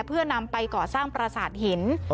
เพื่อนำไปก่อสร้างประสาทหิน